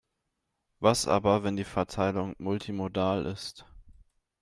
Was aber, wenn die Verteilung multimodal ist?